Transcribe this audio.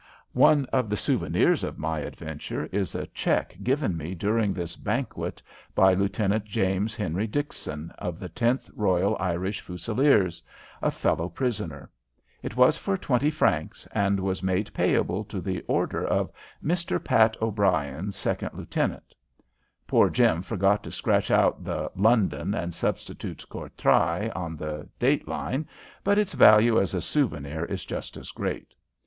One of the souvenirs of my adventure is a check given me during this "banquet" by Lieut. James Henry Dickson, of the Tenth Royal Irish Fusileers, a fellow prisoner. It was for twenty francs and was made payable to the order of "Mr. Pat O'Brien, 2nd Lieut." Poor Jim forgot to scratch out the "London" and substitute "Courtrai" on the date line, but its value as a souvenir is just as great.